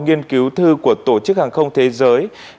nghiên cứu thư của tổ chức hàng không thế giới liên tục cập nhật